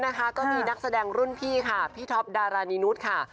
นะคะก็มีนักแสดงรุ่นพี่ค่ะพี่ท็อปดารานีนุษย์ค่ะ